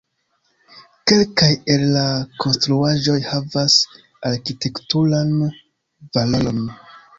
Kelkaj el la konstruaĵoj havas arkitekturan valoron.